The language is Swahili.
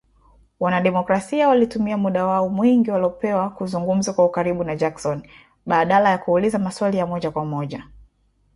wanademokrasia walitumia muda wao mwingi waliopewa kuzungumza kwa ukaribu na Jackson, badala ya kuuliza maswali ya moja kwa moja.